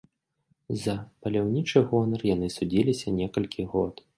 За паляўнічы гонар яны судзіліся некалькі год.